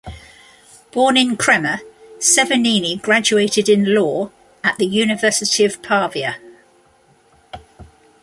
Born in Crema, Severgnini graduated in law at the University of Pavia.